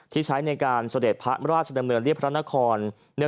ที่ใช้ในการสดิบพระราชดำเนินเรือ